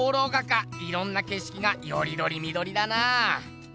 いろんな景色がよりどりみどりだなぁ。